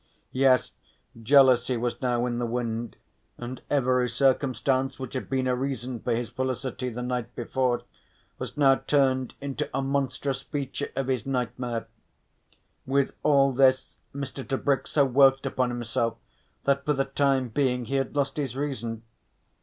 Yes, jealousy was now in the wind, and every circumstance which had been a reason for his felicity the night before was now turned into a monstrous feature of his nightmare. With all this Mr. Tebrick so worked upon himself that for the time being he had lost his reason.